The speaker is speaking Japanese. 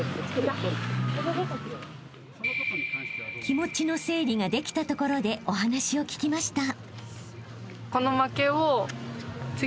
［気持ちの整理ができたところでお話を聞きました］